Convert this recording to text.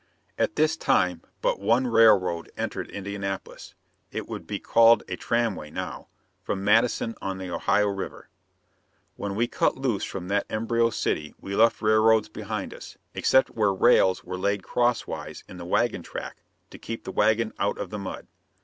At this time but one railroad entered Indianapolis it would be called a tramway now from Madison on the Ohio River. When we cut loose from that embryo city we left railroads behind us, except where rails were laid crosswise in the wagon track to keep the wagon out of the mud.